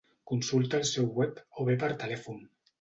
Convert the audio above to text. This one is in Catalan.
Consulta al seu web o bé per telèfon.